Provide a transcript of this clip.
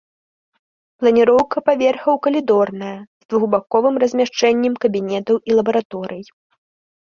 Планіроўка паверхаў калідорная, з двухбаковым размяшчэннем кабінетаў і лабараторый.